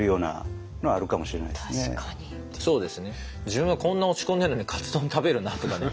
自分はこんな落ち込んでるのにカツ丼食べるなとかね。